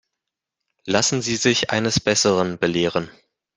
Lassen Sie sich eines Besseren belehren.